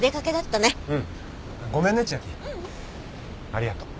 ありがとう。